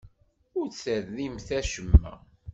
Ur d-terrimt acemma.